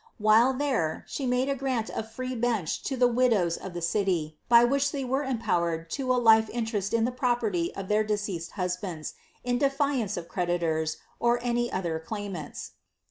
While there, she made a grant a free bench to the widows of the city, by which they were empowere lo a life interest in the properly of their deceased husbands, in defiane of creditors, or any other claimants.